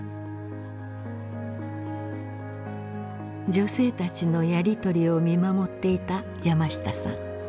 女性たちのやり取りを見守っていた山下さん。